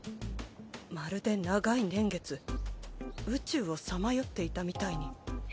まるで長い年月宇宙をさまよっていたみたいに。